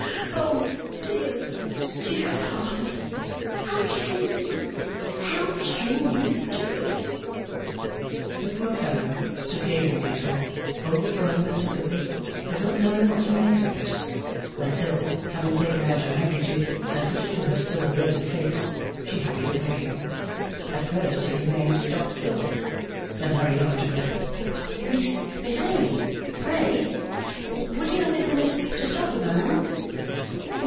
O dear, dear father, how can you, can you, do it!' The poor fellow stood gazing at her, overflowing with sympathy, but not knowing what to make of this, until, having taken out her handkerchief and put it to her still averted face, she hurried away. At first he remained stock still; then hurried after her. 'Miss Amy, pray! Will you have the goodness to stop a moment?